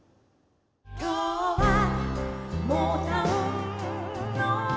「きょうはモウタウンの」